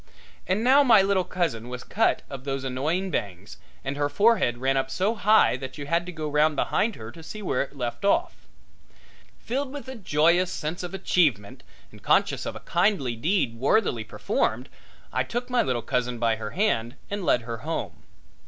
And now my little cousin was shut of those annoying bangs, and her forehead ran up so high that you had to go round behind her to see where it left off. Filled with a joyous sense of achievement and conscious of a kindly deed worthily performed, I took my little cousin by her hand and led her home.